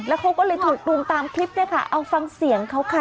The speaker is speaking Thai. แล้วเขาก็เลยถูกตรงตามคลิปเอาฟังเสียงเขาค่ะ